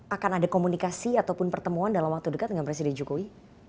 akan ada komunikasi ataupun pertemuan dalam waktu dekat dengan presiden jokowi